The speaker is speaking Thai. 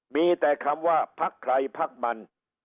มีแต่คำว่าภักรณ์ใครภักรณ์มัน